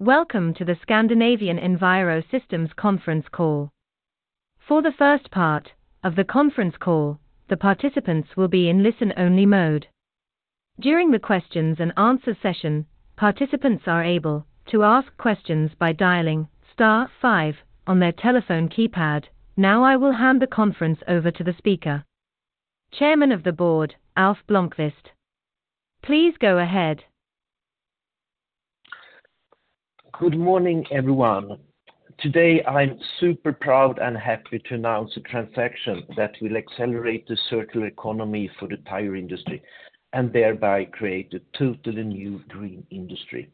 Welcome to the Scandinavian Enviro Systems conference call. For the first part of the conference call, the participants will be in listen-only mode. During the questions and answer session, participants are able to ask questions by dialing star five on their telephone keypad. Now I will hand the conference over to the speaker. Chairman of the Board, Alf Blomqvist, please go ahead. Good morning, everyone. Today, I'm super proud and happy to announce a transaction that will accelerate the circular economy for the tire industry and thereby create a totally new green industry.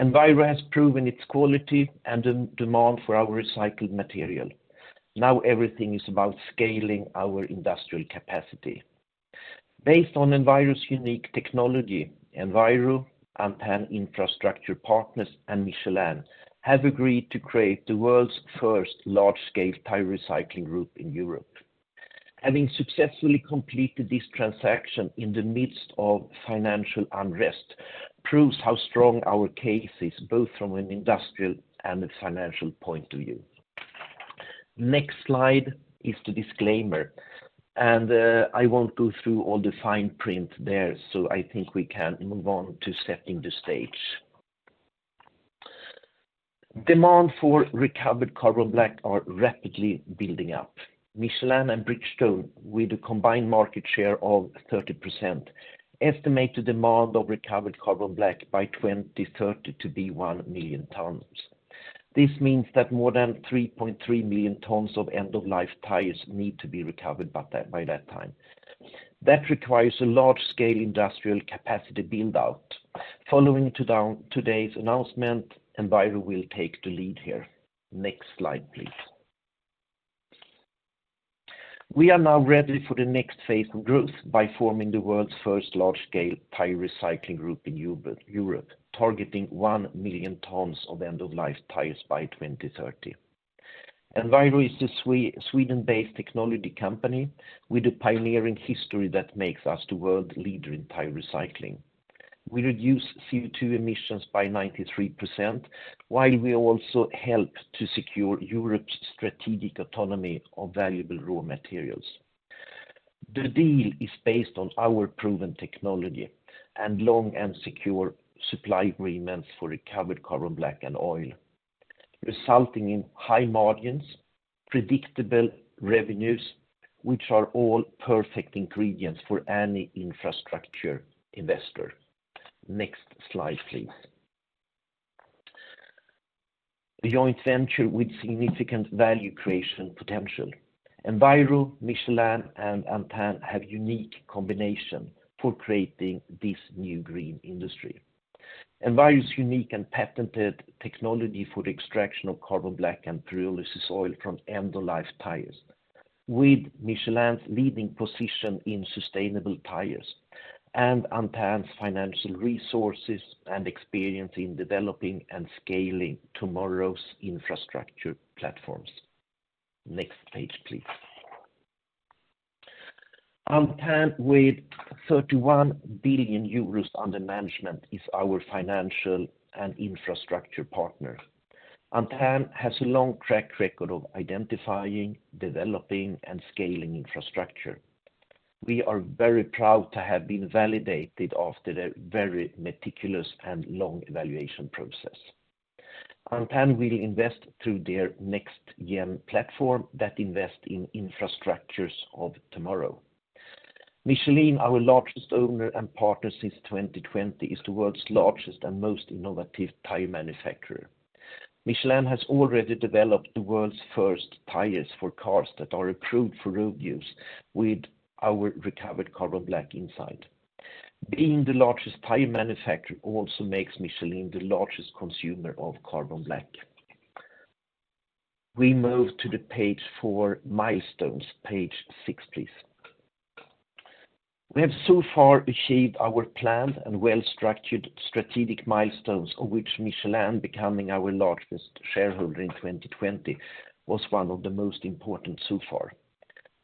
Enviro has proven its quality and the demand for our recycled material. Now everything is about scaling our industrial capacity. Based on Enviro's unique technology, Enviro, Antin Infrastructure Partners, and Michelin have agreed to create the world's first large-scale tire recycling group in Europe. Having successfully completed this transaction in the midst of financial unrest proves how strong our case is, both from an industrial and a financial point of view. Next slide is the disclaimer, and I won't go through all the fine print there, so I think we can move on to setting the stage. Demand for recovered carbon black are rapidly building up. Michelin and Bridgestone, with a combined market share of 30%, estimate the demand of recovered carbon black by 2030 to be 1 million tons. This means that more than 3.3 million tons of end-of-life tires need to be recovered by that time. That requires a large-scale industrial capacity build-out. Following today's announcement, Enviro will take the lead here. Next slide, please. We are now ready for the next phase of growth by forming the world's first large-scale tire recycling group in Europe, targeting 1 million tons of end-of-life tires by 2030. Enviro is a Sweden-based technology company with a pioneering history that makes us the world leader in tire recycling. We reduce CO2 emissions by 93% while we also help to secure Europe's strategic autonomy of valuable raw materials. The deal is based on our proven technology and long and secure supply agreements for recovered carbon black and oil, resulting in high margins, predictable revenues, which are all perfect ingredients for any infrastructure investor. Next slide, please. A joint venture with significant value creation potential. Enviro, Michelin, and Antin have a unique combination for creating this new green industry. Enviro's unique and patented technology for the extraction of carbon black and pyrolysis oil from end-of-life tires, with Michelin's leading position in sustainable tires and Antin's financial resources and experience in developing and scaling tomorrow's infrastructure platforms. Next page, please. Antin, with 31 billion euros under management, is our financial and infrastructure partner. Antin has a long track record of identifying, developing, and scaling infrastructure. We are very proud to have been validated after their very meticulous and long evaluation process. Antin will invest through their NextGen platform that invest in infrastructures of tomorrow. Michelin, our largest owner and partner since 2020, is the world's largest and most innovative tire manufacturer. Michelin has already developed the world's first tires for cars that are approved for road use with our recovered carbon black inside. Being the largest tire manufacturer also makes Michelin the largest consumer of carbon black. We move to the page for milestones. Page six, please. We have so far achieved our planned and well-structured strategic milestones, of which Michelin becoming our largest shareholder in 2020 was one of the most important so far.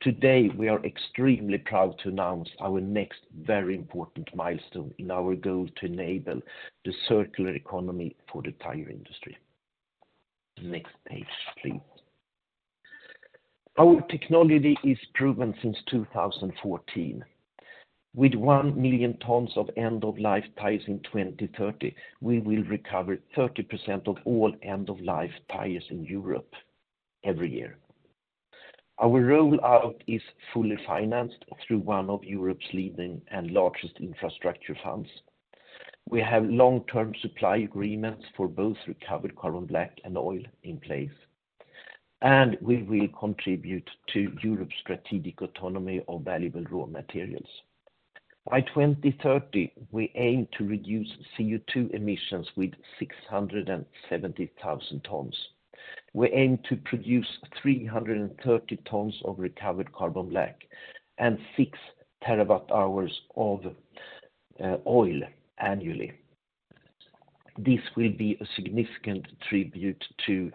Today, we are extremely proud to announce our next very important milestone in our goal to enable the circular economy for the tire industry. Next page, please. Our technology is proven since 2014. With 1 million tons of end-of-life tires in 2030, we will recover 30% of all end-of-life tires in Europe every year. Our rollout is fully financed through one of Europe's leading and largest infrastructure funds. We have long-term supply agreements for both recovered carbon black and oil in place, and we will contribute to Europe's strategic autonomy of valuable raw materials. By 2030, we aim to reduce CO2 emissions with 670,000 tons. We aim to produce 330 tons of recovered carbon black and six terawatt-hours of oil annually. This will be a significant tribute to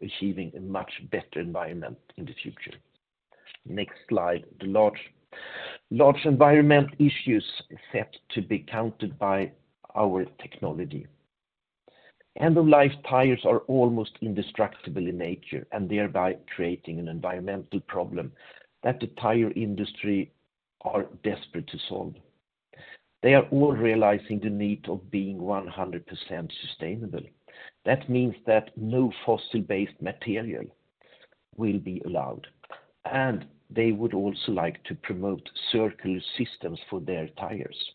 achieving a much better environment in the future. Next slide. The Large environment issues set to be counted by our technology. End-of-life tires are almost indestructible in nature, and thereby creating an environmental problem that the tire industry are desperate to solve. They are all realizing the need of being 100% sustainable. That means that no fossil-based material will be allowed, and they would also like to promote circular systems for their tires.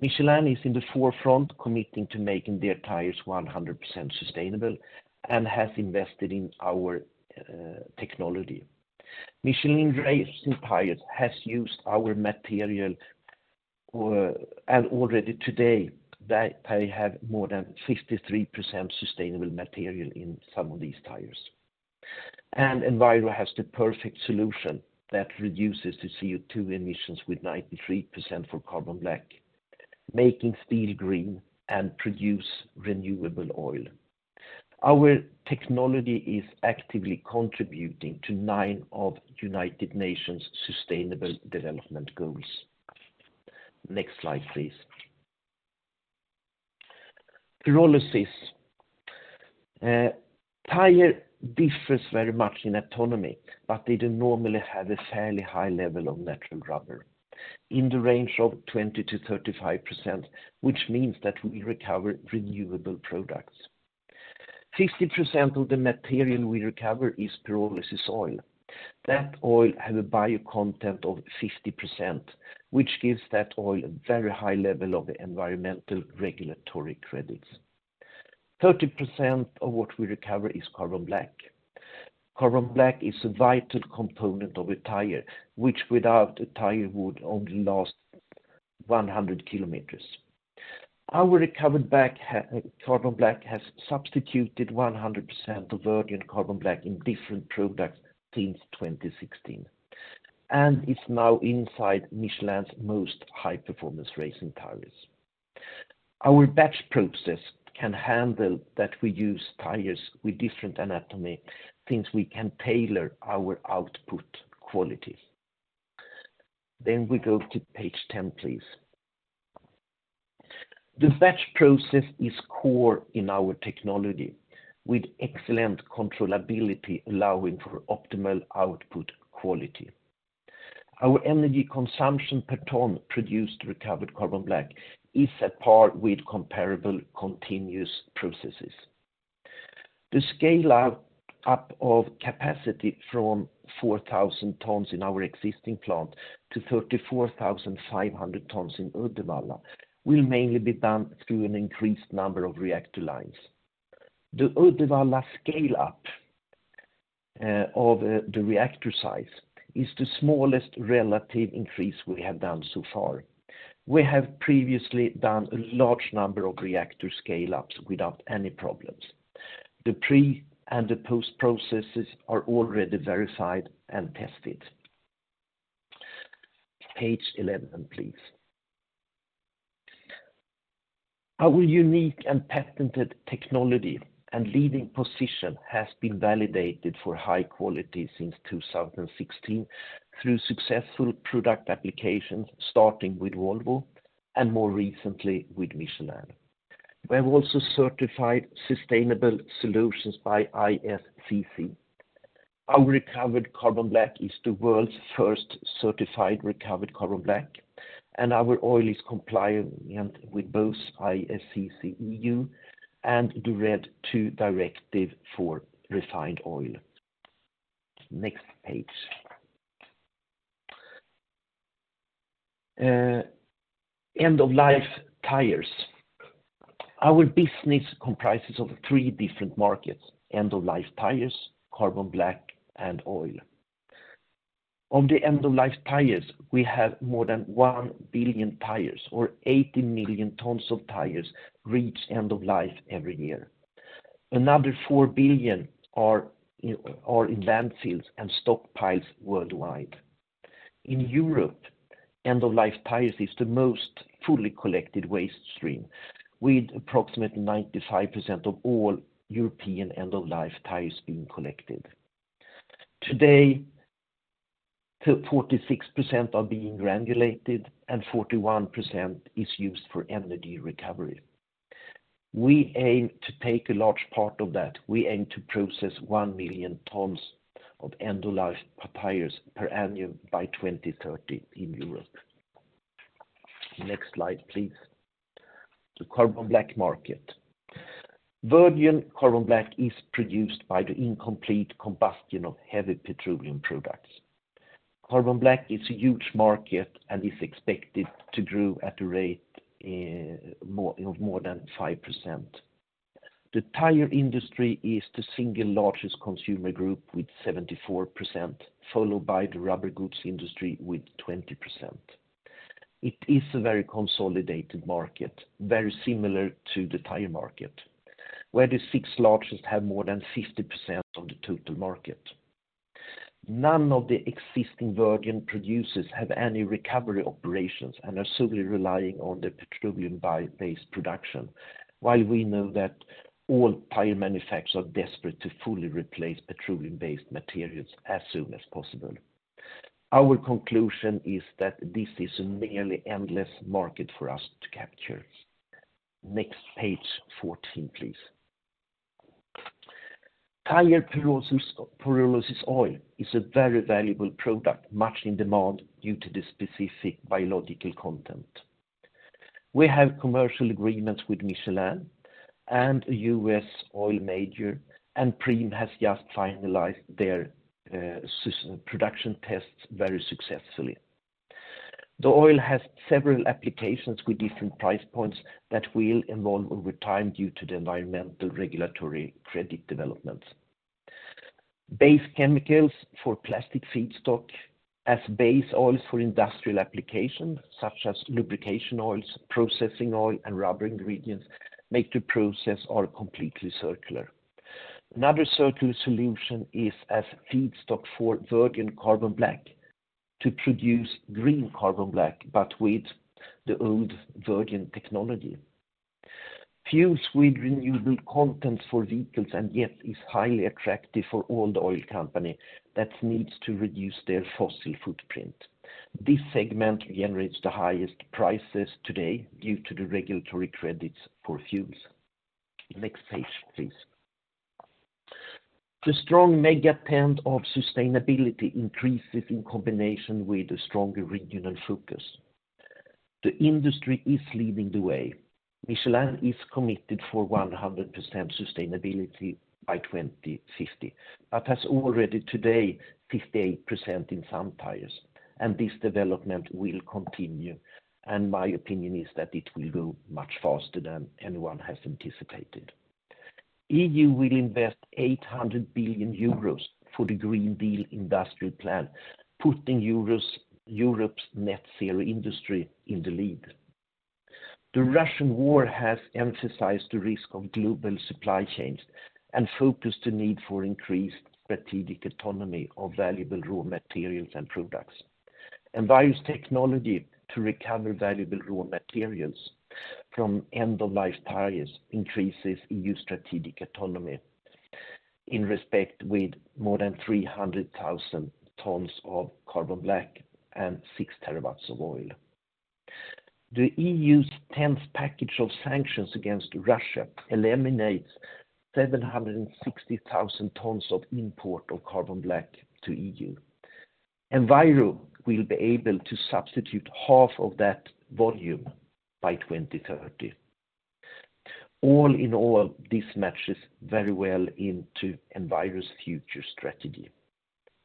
Michelin is in the forefront committing to making their tires 100% sustainable and has invested in our technology. Michelin racing tires has used our material, and already today they have more than 53% sustainable material in some of these tires. Enviro has the perfect solution that reduces the CO2 emissions with 93% for carbon black, making steel green and produce renewable oil. Our technology is actively contributing to nine of United Nations Sustainable Development Goals. Next slide, please. Pyrolysis, tire differs very much in autonomy, but they do normally have a fairly high level of natural rubber in the range of 20%-35%, which means that we recover renewable products. 50% of the material we recover is pyrolysis oil. That oil has a bio content of 50%, which gives that oil a very high level of environmental regulatory credits. 30% of what we recover is carbon black. Carbon black is a vital component of a tire, which without a tire would only last 100 km. Our recovered carbon black has substituted 100% of virgin carbon black in different products since 2016, and it's now inside Michelin's most high-performance racing tires. Our batch process can handle that we use tires with different anatomy since we can tailor our output quality. We go to page ten, please. The batch process is core in our technology with excellent controllability allowing for optimal output quality. Our energy consumption per ton produced recovered carbon black is at par with comparable continuous processes. The scale out-up of capacity from 4,000 tons in our existing plant to 34,500 tons in Uddevalla will mainly be done through an increased number of reactor lines. The Uddevalla scale up of the reactor size is the smallest relative increase we have done so far. We have previously done a large number of reactor scale-ups without any problems. The pre- and the post-processes are already verified and tested. Page 11, please. Our unique and patented technology and leading position has been validated for high quality since 2016 through successful product applications, starting with Volvo and more recently with Michelin. We have also certified sustainable solutions by ISCC. Our recovered carbon black is the world's first certified recovered carbon black. Our oil is compliant with both ISCC EU and RED II Directive for refined oil. Next page. End-of-life tires. Our business comprises of three different markets: end-of-life tires, carbon black, and oil. On the end-of-life tires, we have more than 1 billion tires or 80 million tons of tires reach end of life every year. Another 4 billion are, you know, in landfills and stockpiles worldwide. In Europe, end-of-life tires is the most fully collected waste stream, with approximately 95% of all European end-of-life tires being collected. Today, 46% are being granulated, and 41% is used for energy recovery. We aim to take a large part of that. We aim to process 1 million tons of end-of-life tires per annum by 2030 in Europe. Next slide, please. The carbon black market. Virgin carbon black is produced by the incomplete combustion of heavy petroleum products. Carbon black is a huge market and is expected to grow at a rate, you know, more than 5%. The tire industry is the single largest consumer group with 74%, followed by the rubber goods industry with 20%. It is a very consolidated market, very similar to the tire market, where the six largest have more than 50% of the total market. None of the existing virgin producers have any recovery operations and are solely relying on the petroleum bi-based production, while we know that all tire manufacturers are desperate to fully replace petroleum-based materials as soon as possible. Our conclusion is that this is a nearly endless market for us to capture. Next page 14, please. Tire pyrolysis oil is a very valuable product, much in demand due to the specific biological content. We have commercial agreements with Michelin and a U.S. oil major, and Preem has just finalized their production tests very successfully. The oil has several applications with different price points that will involve over time due to the environmental regulatory credit developments. Base chemicals for plastic feedstock, as base oils for industrial applications, such as lubrication oils, processing oil, and rubber ingredients make the process all completely circular. Another circular solution is as feedstock for virgin carbon black to produce green carbon black, but with the old virgin technology. Few sweet renewable content for vehicles, and yet is highly attractive for old oil company that needs to reduce their fossil footprint. This segment generates the highest prices today due to the regulatory credits for fuels. Next page, please. The strong mega trend of sustainability increases in combination with a stronger regional focus. The industry is leading the way. Michelin is committed for 100% sustainability by 2050, but has already today 58% in some tires. This development will continue. My opinion is that it will go much faster than anyone has anticipated. EU will invest 800 billion euros for the Green Deal Industrial Plan, putting Europe's net zero industry in the lead. The Russian war has emphasized the risk of global supply chains and focused the need for increased strategic autonomy of valuable raw materials and products. Enviro's technology to recover valuable raw materials from end-of-life tires increases EU strategic autonomy in respect with more than 300,000 tons of carbon black and 6 terawatts of oil. The EU's 10th package of sanctions against Russia eliminates 760,000 tons of import of carbon black to EU. Enviro will be able to substitute half of that volume by 2030. All in all, this matches very well into Enviro's future strategy.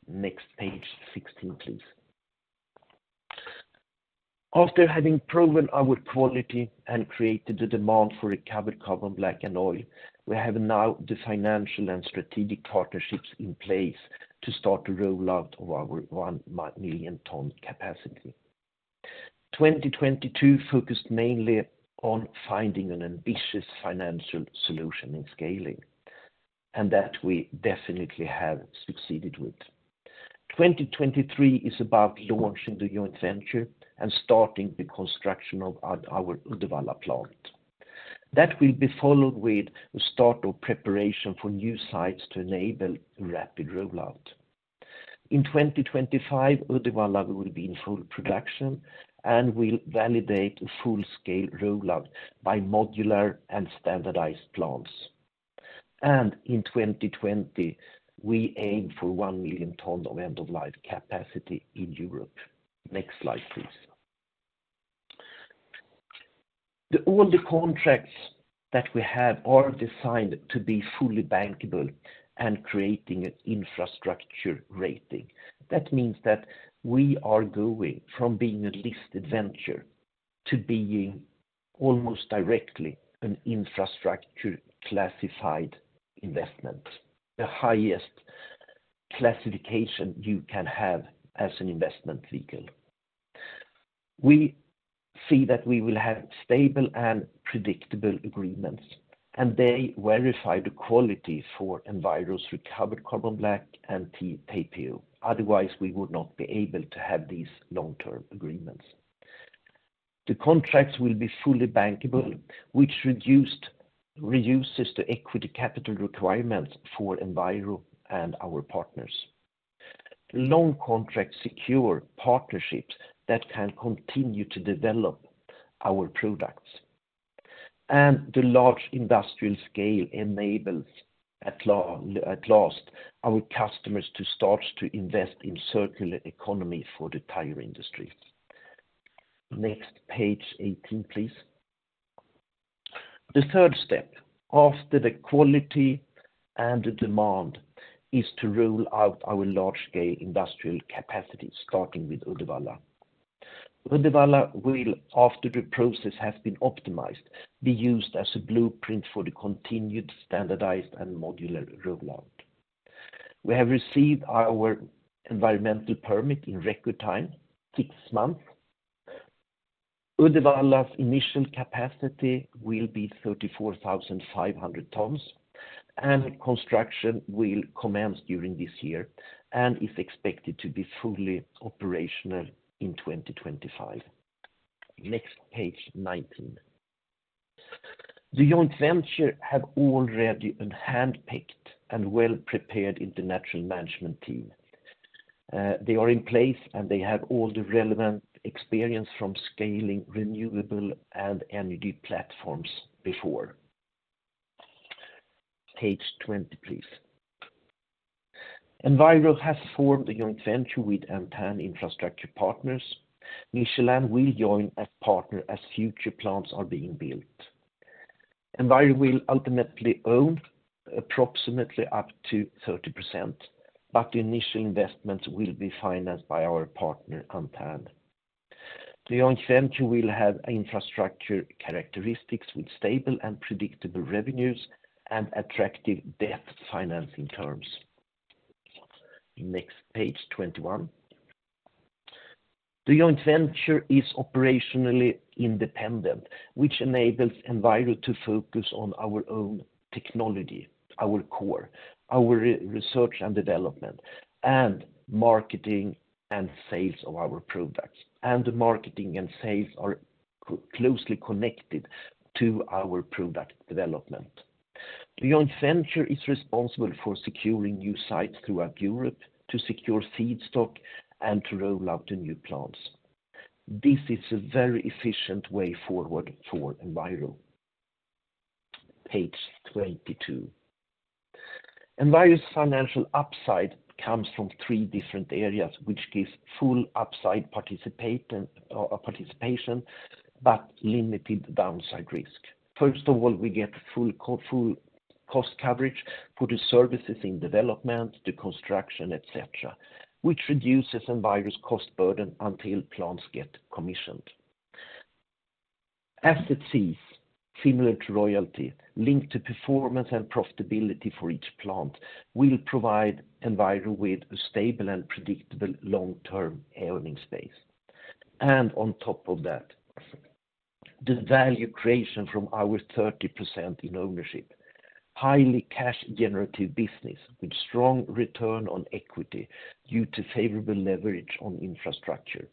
Next page 16, please. After having proven our quality and created the demand for recovered carbon black and oil, we have now the financial and strategic partnerships in place to start the rollout of our 1 million ton capacity. 2022 focused mainly on finding an ambitious financial solution in scaling. That we definitely have succeeded with. 2023 is about launching the joint venture and starting the construction of our Uddevalla plant. That will be followed with the start of preparation for new sites to enable rapid rollout. In 2025, Uddevalla will be in full production, and we'll validate a full-scale rollout by modular and standardized plants. In 2020, we aim for 1 million tons of end-of-life capacity in Europe. Next slide, please. All the contracts that we have are designed to be fully bankable and creating infrastructure rating. That means that we are going from being a listed venture to being almost directly an infrastructure-classified investment, the highest classification you can have as an investment vehicle. We see that we will have stable and predictable agreements, and they verify the quality for Enviro's recovered carbon black and TPO. Otherwise, we would not be able to have these long-term agreements. The contracts will be fully bankable, which reduces the equity capital requirements for Enviro and our partners. Long contracts secure partnerships that can continue to develop our products. The large industrial scale enables at last our customers to start to invest in circular economy for the tire industry. Next, page 18, please. The third step after the quality and the demand is to roll out our large-scale industrial capacity, starting with Uddevalla. Uddevalla will, after the process has been optimized, be used as a blueprint for the continued standardized and modular rollout. We have received our environmental permit in record time, six months. Uddevalla's initial capacity will be 34,500 tons, and construction will commence during this year and is expected to be fully operational in 2025. Next page 19. The joint venture have already a handpicked and well-prepared international management team. They are in place, and they have all the relevant experience from scaling renewable and energy platforms before. Page 20, please. Enviro has formed a joint venture with Antin Infrastructure Partners. Michelin will join as partner as future plans are being built. Enviro will ultimately own approximately up to 30%, but the initial investments will be financed by our partner, Antin. The joint venture will have infrastructure characteristics with stable and predictable revenues and attractive debt financing terms. Page 21. The joint venture is operationally independent, which enables Enviro to focus on our own technology, our core, our research and development, and marketing and sales of our products. The marketing and sales are closely connected to our product development. The joint venture is responsible for securing new sites throughout Europe to secure feedstock and to roll out the new plants. This is a very efficient way forward for Enviro. Page 22. Enviro's financial upside comes from three different areas, which gives full upside participation, but limited downside risk. First of all, we get full cost coverage for the services in development, the construction, et cetera, which reduces Enviro's cost burden until plants get commissioned. Asset fees, similar to royalty, linked to performance and profitability for each plant, will provide Enviro with a stable and predictable long-term earning space. On top of that, the value creation from our 30% in ownership, highly cash-generative business with strong return on equity due to favorable leverage on infrastructure.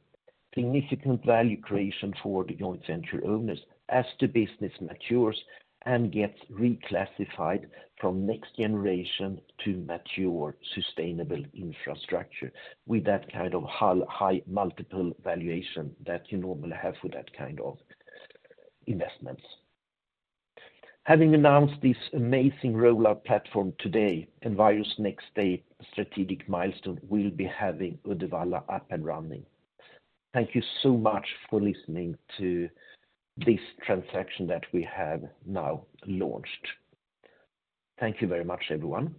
Significant value creation for the joint venture owners as the business matures and gets reclassified from next generation to mature sustainable infrastructure with that kind of high multiple valuation that you normally have with that kind of investments. Having announced this amazing rollout platform today, Enviro's next state strategic milestone will be having Uddevalla up and running. Thank you so much for listening to this transaction that we have now launched. Thank you very much, everyone.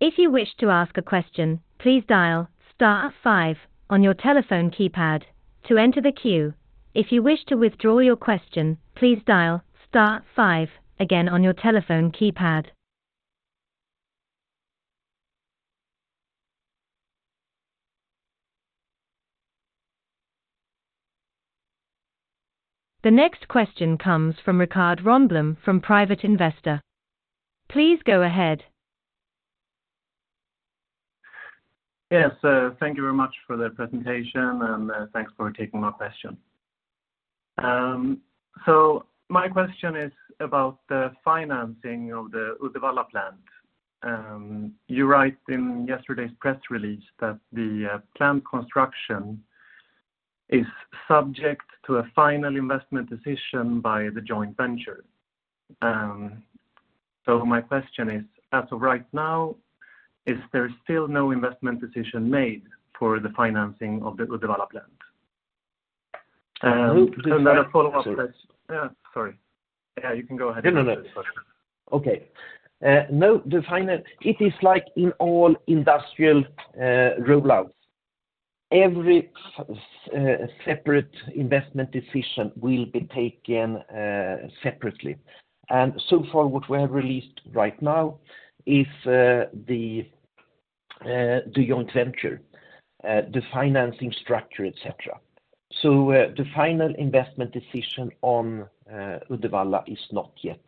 If you wish to ask a question, please dial star five on your telephone keypad to enter the queue. If you wish to withdraw your question, please dial star five again on your telephone keypad. The next question comes from Rikard Rönnblom from Private Investor. Please go ahead. Yes. Thank you very much for the presentation, thanks for taking my question. My question is about the financing of the Uddevalla plant. You write in yesterday's press release that the plant construction is subject to a final investment decision by the joint venture. My question is, as of right now, is there still no investment decision made for the financing of the Uddevalla plant? A follow-up question. Yeah, sorry. Yeah, you can go ahead. No, no. Okay. No, it is like in all industrial roll-outs. Every separate investment decision will be taken separately. So far, what we have released right now is the joint venture, the financing structure, et cetera. The final investment decision on Uddevalla is not yet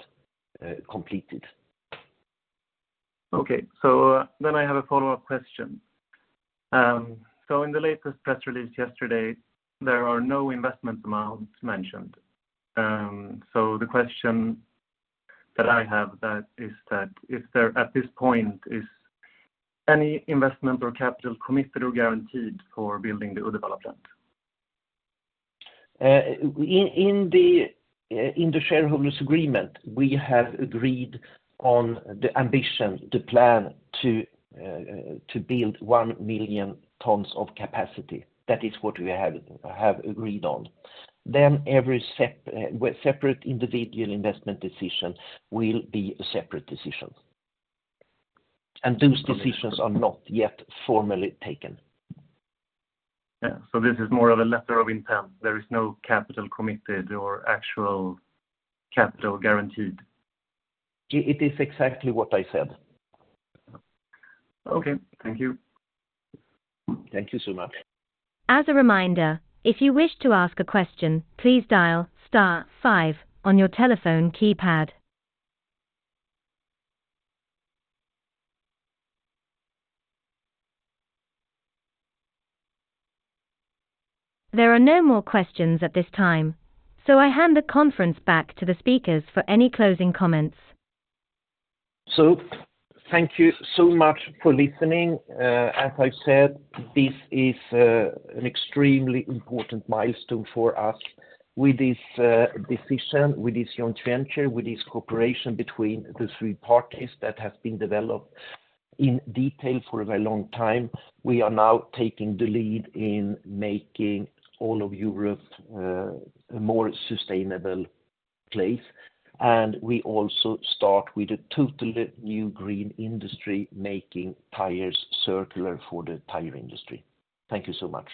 completed. Okay. I have a follow-up question. In the latest press release yesterday, there are no investment amounts mentioned. The question that I have that is there at this point, is any investment or capital committed or guaranteed for building the Uddevalla plant? In the shareholders agreement, we have agreed on the ambition, the plan to build 1 million tons of capacity. That is what we have agreed on. Every separate individual investment decision will be a separate decision. Those decisions are not yet formally taken. Yeah. This is more of a letter of intent. There is no capital committed or actual capital guaranteed. It is exactly what I said. Okay. Thank you. Thank you so much. As a reminder, if you wish to ask a question, please dial star five on your telephone keypad. There are no more questions at this time. I hand the conference back to the speakers for any closing comments. Thank you so much for listening. As I said, this is an extremely important milestone for us. With this decision, with this joint venture, with this cooperation between the three parties that have been developed in detail for a very long time, we are now taking the lead in making all of Europe a more sustainable place. We also start with a totally new green industry, making tires circular for the tire industry. Thank you so much.